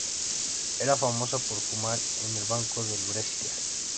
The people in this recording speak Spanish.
Era famoso por fumar en el banco del Brescia.